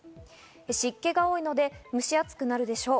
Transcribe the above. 湿気が多いので蒸し暑くなるでしょう。